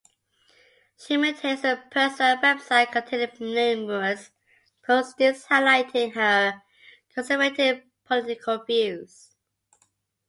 She maintains a personal website containing numerous postings highlighting her conservative political views.